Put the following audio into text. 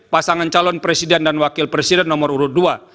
pasangan calon presiden dan wakil presiden nomor urut dua